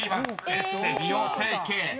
「エステ・美容整形」］